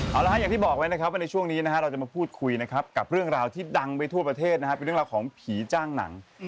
เอาละฮะอย่างที่บอกไว้นะครับว่าในช่วงนี้นะฮะเราจะมาพูดคุยนะครับกับเรื่องราวที่ดังไปทั่วประเทศนะครับเป็นเรื่องราวของผีจ้างหนัง